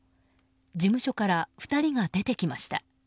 事務所から２人が出てきました。